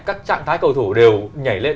các trạng thái cầu thủ đều nhảy lên